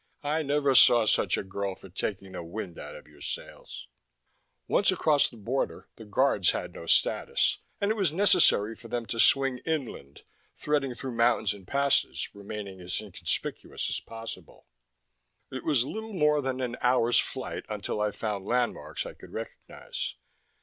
I never saw such a girl for taking the wind out of your sails. Once across the border, the Guards had no status, and it was necessary for them to swing inland, threading through mountains and passes, remaining as inconspicuous as possible. It was little more than an hour's flight until I found landmarks I could recognize.